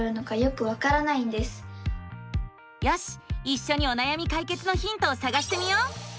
いっしょにおなやみ解決のヒントをさがしてみよう！